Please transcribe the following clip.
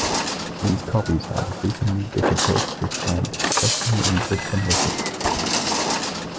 These copies are increasingly difficult to find, especially in good condition.